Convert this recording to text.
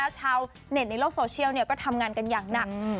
ชาวเน็ตในโลกโซเชียลก็ทำงานกันอย่างหนัก